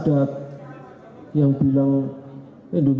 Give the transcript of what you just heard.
masa adat yang bilang indonesia bubar